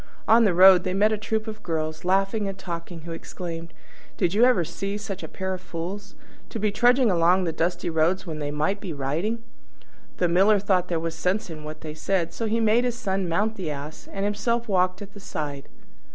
On the road they met a troop of girls, laughing and talking, who exclaimed, "Did you ever see such a pair of fools? To be trudging along the dusty road when they might be riding!" The Miller thought there was sense in what they said; so he made his Son mount the Ass, and himself walked at the side.